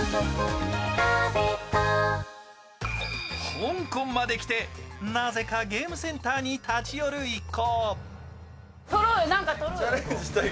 香港まで来て、なぜかゲームセンターに立ち寄る一行。